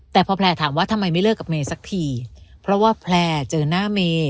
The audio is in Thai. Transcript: แต่พอแพลร์ถามว่าทำไมไม่เลิกกับเมย์สักทีเพราะว่าแพลร์เจอหน้าเมย์